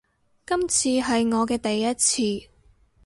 今次係我嘅第一次